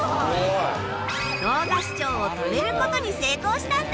動画視聴を止めることに成功したんだ！